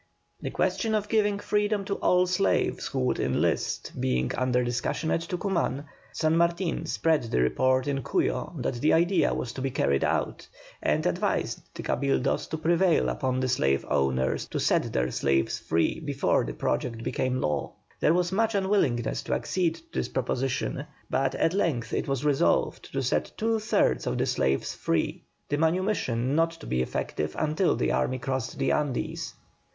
The question of giving freedom to all slaves who would enlist being under discussion at Tucuman, San Martin spread the report in Cuyo that the idea was to be carried out, and advised the Cabildos to prevail upon the slaveowners to set their slaves free before the project became law. There was much unwillingness to accede to this proposition, but at length it was resolved to set two thirds of the slaves free, the manumission not to be effective until the army crossed the Andes.